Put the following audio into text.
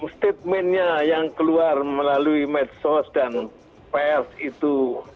statementnya yang keluar melalui medsos dan pers itu